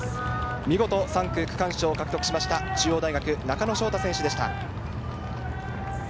見事３区区間賞を獲得しました中央大学・中野翔太選手でした。